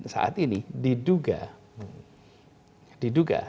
saat ini diduga